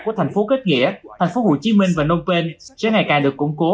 của thành phố kết nghĩa thành phố hồ chí minh và nông tên sẽ ngày càng được củng cố